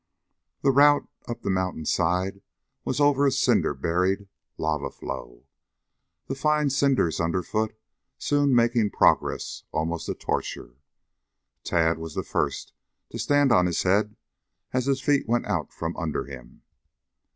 The route up the mountain side was over a cider buried lava flow, the fine cinders under foot soon making progress almost a torture. Tad was the first to stand on his head as his feet went out from under him.